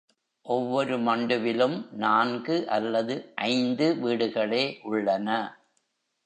ஒவ்வொரு மண்டுவிலும் நான்கு அல்லது ஐந்து வீடுகளே உள்ளன.